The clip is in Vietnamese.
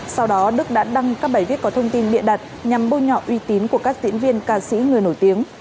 sau đó đức đã đăng các bài viết có thông tin biện đặt nhằm bôi nhọ uy tín của các diễn viên ca sĩ người nổi tiếng